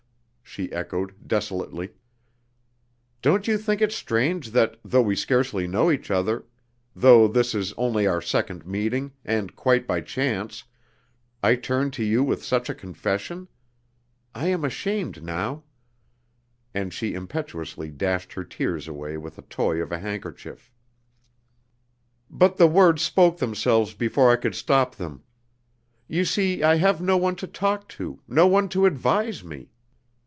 she echoed, desolately. "Don't you think it strange that, though we scarcely know each other though this is only our second meeting, and quite by chance, I turn to you with such a confession? I am ashamed now" and she impetuously dashed her tears away with a toy of a handkerchief. "But the words spoke themselves before I could stop them. You see, I have no one to talk to no one to advise me.